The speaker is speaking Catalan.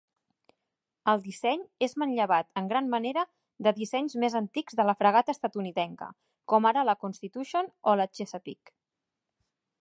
El disseny és manllevat en gran manera de dissenys més antics de la fragata estatunidenca, com ara la "Constitution" o la "Chesapeake".